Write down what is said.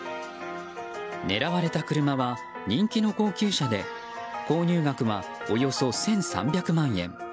狙われた車は人気の高級車で購入額はおよそ１３００万円。